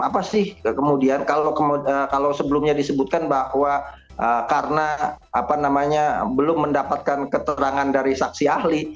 apa sih kemudian kalau sebelumnya disebutkan bahwa karena belum mendapatkan keterangan dari saksi ahli